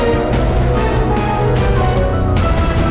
ayo kita berdua berdua berdua